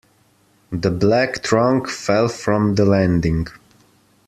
The black trunk fell from the landing.